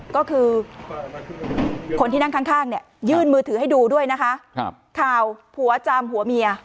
ก็คือคนที่นั่งข้างเนี่ยยื่นมือถือให้ดูด้วยนะคะข่าวผัวจามหัวเมีย